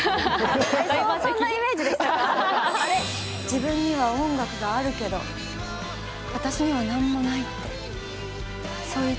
自分には音楽があるけど私には何もないってそう言いたいわけ？